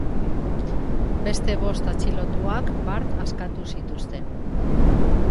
Beste bost atxilotuak bart askatu zituzten.